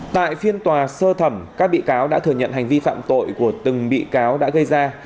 tại phiên tòa sơ thẩm các bị cáo đã thừa nhận hành vi phạm tội của từng bị cáo đã gây ra